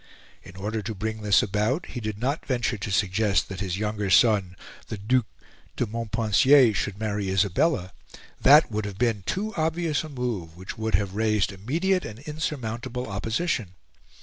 In order to bring this about, he did not venture to suggest that his younger son, the Duc de Montpensier, should marry Isabella; that would have been too obvious a move, which would have raised immediate and insurmountable opposition.